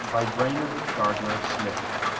BY BRAINARD GARDNER SMITH. I.